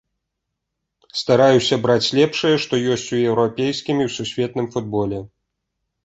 Стараюся браць лепшае, што ёсць у еўрапейскім і сусветным футболе.